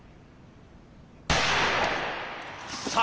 さあ